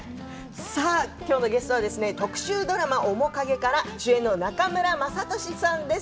今日のゲストは特集ドラマ「おもかげ」から主演の中村雅俊さんです。